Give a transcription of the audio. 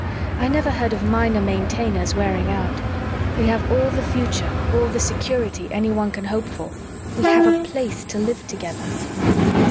I never heard of Minor Maintainers wearing out. We have all the future, all the security, anyone can hope for. We have a Place to live together."